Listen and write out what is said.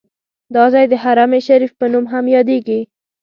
دا ځای د حرم شریف په نوم هم یادیږي.